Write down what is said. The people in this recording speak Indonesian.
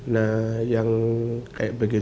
nah yang kayak begini